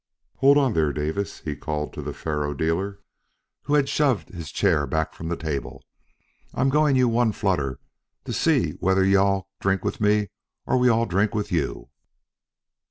"Hold on there, Davis," he called to the faro dealer, who had shoved his chair back from the table. "I'm going you one flutter to see whether you all drink with me or we all drink with you."